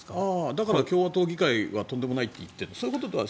だから共和党議会はとんでもないと言ってるってことですか。